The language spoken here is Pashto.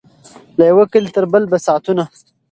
له یوه کلي تر بل به ساعتونه